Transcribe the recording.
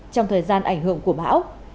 trong thời gian ảnh hưởng của bão